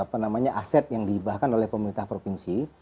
apa namanya aset yang dihibahkan oleh pemerintah provinsi